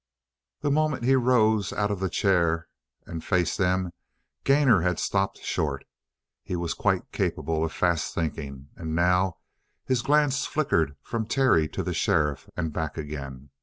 The moment he rose out of the chair and faced them, Gainor had stopped short. He was quite capable of fast thinking, and now his glance flickered from Terry to the sheriff and back again.